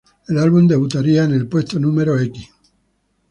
El álbum debutaría en el puesto No.